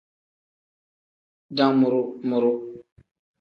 Damuru-muru.